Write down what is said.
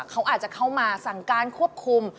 เขาอาจจะเข้ามาสั่งการควบคุม